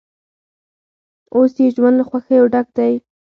اوس یې ژوند له خوښیو ډک دی.